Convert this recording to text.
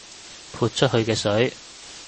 潑出去嘅水